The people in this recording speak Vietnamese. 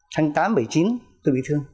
tháng tám bảy mươi chín tôi bị thương